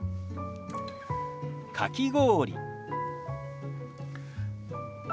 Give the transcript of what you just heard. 「かき氷」。